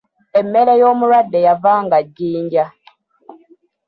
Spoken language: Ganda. Emmere y'omulwadde yavanga jjinja.